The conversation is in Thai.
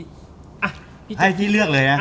ให้พี่จั๊กกี้เลือกเลยนะ